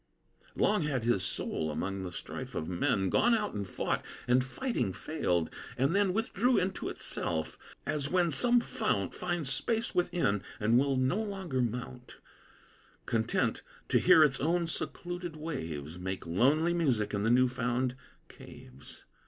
Long had his soul, among the strife of men, Gone out and fought, and fighting, failed; and then Withdrew into itself: as when some fount Finds space within, and will no longer mount, Content to hear its own secluded waves Make lonely music in the new found caves.